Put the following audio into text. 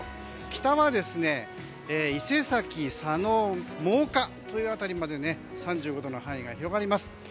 北は伊勢崎、佐野、真岡というところまで３５度の範囲が広がります。